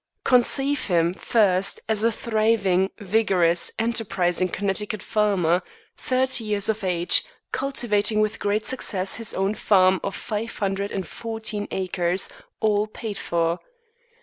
Conceive him, first, as a thriving, vigorous, enterprising Connecticut farmer, thirty years of age, cultivating with great success his own farm of five hundred and fourteen acres, all paid for.